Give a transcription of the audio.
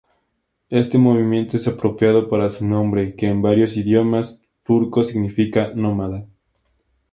Este movimiento es apropiado para su nombre, que en varios idiomas turco significa “nómada;.